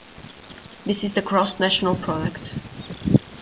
This is the Gross National Product.